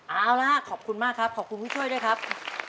เอาละฮะขอบคุณมากครับขอบคุณผู้ช่วยด้วยครับ